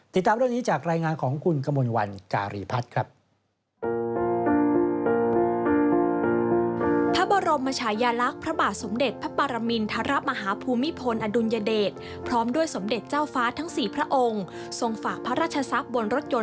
ติดตามเรื่องนี้จากรายงานของคุณกมลวันการีพัฒน์ครับ